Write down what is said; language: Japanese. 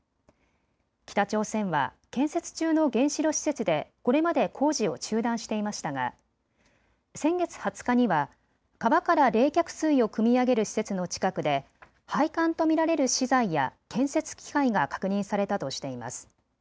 北朝鮮は建設中の原子炉施設でこれまで工事を中断していましたが先月２０日には川から冷却水をくみ上げる施設の近くで配管と見られる資材や建設機械が確認されたとしています。